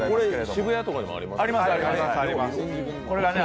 渋谷とかにもありますね。